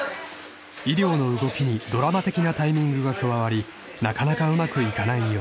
［医療の動きにドラマ的なタイミングが加わりなかなかうまくいかない様子］